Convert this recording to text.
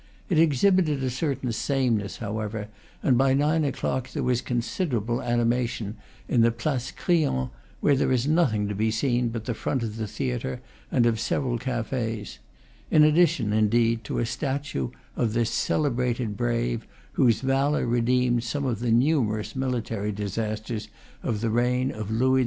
It exhibited a certain sameness, however, and by nine o'clock there was considerable animation in the Place Crillon, where there is nothing to be seen but the front of the theatre and of several cafes in addition, indeed, to a statue of this celebrated brave, whose valor redeemed some of the numerous military disasters of the reign of Louis XV.